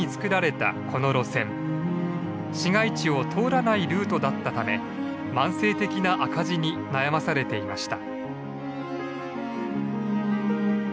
市街地を通らないルートだったため慢性的な赤字に悩まされていました。